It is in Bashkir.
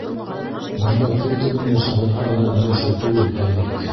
Бында тел төбөндә шағирға ғына өндәшеү түгел, әлбиттә.